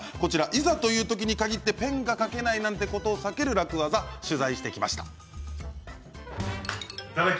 いざという時に限ってペンが書けないなんてことを避ける楽ワザを取材してきました。